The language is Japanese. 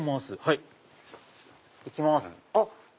行きます。